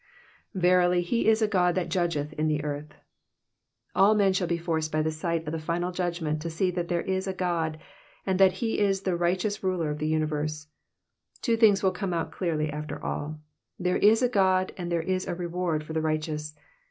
^'"Verily he is a Ood that judgeth in the earth.'''' All men shall be forced by the sight of the final judgment to see that there is a God, and that he is the righteous ruler of the universe. Two things will come out clearly after all — ^there is a God and there is a reward for the righteous.